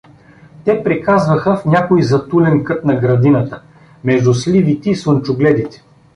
Те приказваха в някой затулен кът на градината, между сливите и слънчогледите.